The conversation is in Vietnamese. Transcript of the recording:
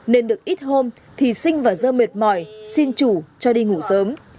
nên được ít hôm thì sinh và dơ mệt mỏi xin chủ cho đi ngủ sớm